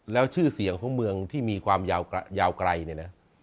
แล้วชื่อเสียงของเมืองที่มีความยาวไกลเนี่ยนะ